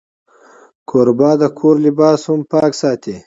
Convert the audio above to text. کوربه د کور لباس هم پاک ساتي.